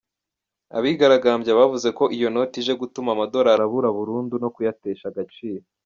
Abigaragambyaga bavuze ko iyo noti ije gutuma amadolari abura burundu, no kuyatesha agaciro.